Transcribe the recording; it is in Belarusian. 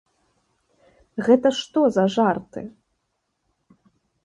Гэта што за жарты?